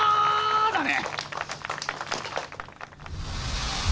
だね。